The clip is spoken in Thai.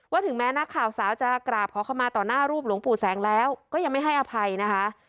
ถึงแม้นักข่าวสาวจะกราบขอเข้ามาต่อหน้ารูปหลวงปู่แสงแล้วก็ยังไม่ให้อภัยนะคะ